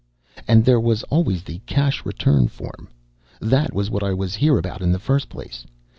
And there was always the cash return form. That was what I was here about in the first place.